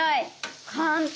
簡単！